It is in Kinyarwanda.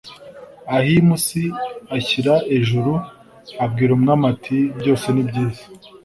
Ahim si ashyira ejuru abwira umwami ati Byose nibyiza